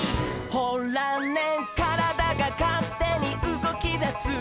「ほらねからだがかってにうごきだす」